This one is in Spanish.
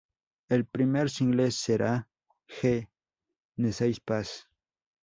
El primer single será Je ne sais pas.